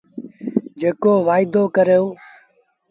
جيڪو وآئيدو ڪرو۔